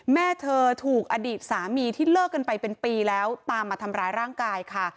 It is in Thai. แม่เธอถูกอดีตสามีที่เลิกกันไปเป็นปีแล้วตามมาทำร้ายร่างกายค่ะ